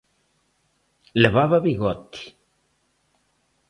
Levaba bigote.